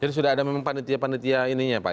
jadi sudah ada memang panitia panitia ininya pak ya